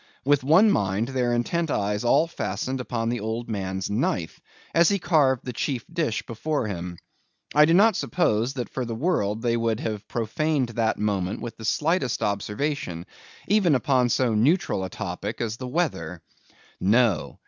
With one mind, their intent eyes all fastened upon the old man's knife, as he carved the chief dish before him. I do not suppose that for the world they would have profaned that moment with the slightest observation, even upon so neutral a topic as the weather. No!